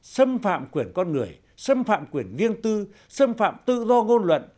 xâm phạm quyền con người xâm phạm quyền viêng tư xâm phạm tự do ngôn luận